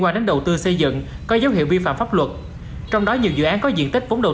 quan đến đầu tư xây dựng có dấu hiệu vi phạm pháp luật trong đó nhiều dự án có diện tích vốn đầu